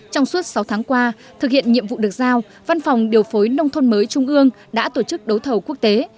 trong suốt sáu tháng qua thực hiện nhiệm vụ được giao văn phòng điều phối nông thôn mới trung ương đã tổ chức đấu thầu quốc tế